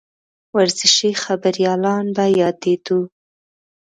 ورزشي خبریالان به یادېدوو.